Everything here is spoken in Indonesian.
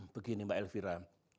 begini mbak elvira